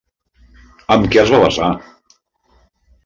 En què es va basar?